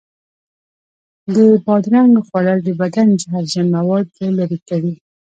د بادرنګو خوړل د بدن زهرجن موادو لرې کوي.